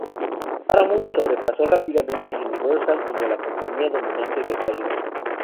Paramount sobrepasó rápidamente a Universal como la compañía dominante de Hollywood.